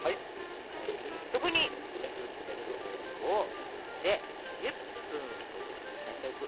そこに水を切ってある道明寺粉を入れて１０分ほど浸しておく。